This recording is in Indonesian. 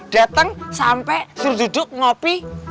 datang sampai seru duduk ngopi